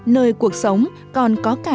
nơi cuộc sống còn có khả năng